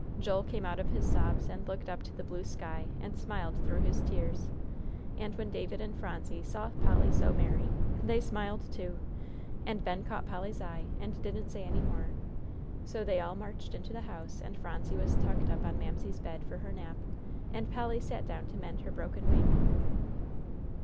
Joel came out of his sobs and looked up to the blue sky, and smiled through his tears, and when David and Phronsie saw Polly so merry, they smiled too, and Ben caught Polly's eye and didn't say any more. So they all marched into the house, and Phronsie was tucked up on Mamsie's bed, for her nap, and Polly sat down to mend her broken wing.